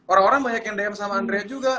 orang orang banyak yang diam sama andrea juga